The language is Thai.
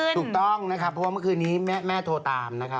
ถูกต้องนะครับเพราะว่าเมื่อคืนนี้แม่โทรตามนะครับ